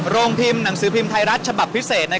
โรงพิมพ์หนังสือพิมพ์ไทยรัฐฉบับพิเศษ